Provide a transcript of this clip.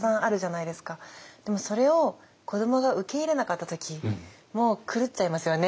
でもそれを子どもが受け入れなかった時もう狂っちゃいますよね